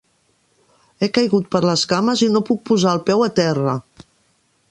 He caigut per les cames i no puc posar el peu a terra.